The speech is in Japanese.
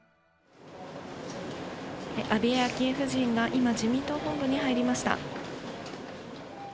安倍昭恵夫人が今、自民党本部に入りました。